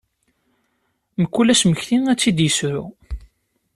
Mkul asemekti ad tt-id yesru.